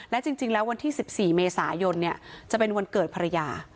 และจริงแล้ววันที่๑๔เมษายนจะเป็นวันเกิดภรรยา